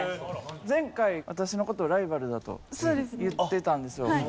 前回私の事をライバルだと言ってたんですよ。